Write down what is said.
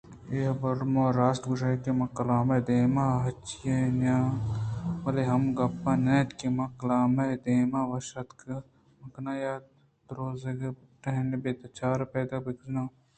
اے حبرءَ تو راست گوٛشئے کہ من کلام ءِ دیم ءَ ہچی ئے نیاں بلئے اے گپ نہ اِنت کہ من کلام ءِ دیم ءَ اوشتات مہ کناں یا دروازگءِ ٹنگ ءَ بہ چاراںءُپدا بہ کنزاں